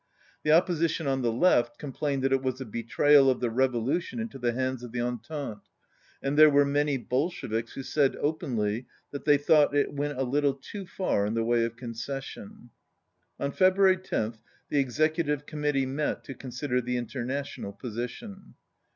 The opposition on the 44 left complained that it was a betrayal of the revo lution into the hands of the Entente, and there were many Bolsheviks who said openly that they thought it went a little too far in the way of con cession. On February loth, the Executive Com mittee met to consider the international position.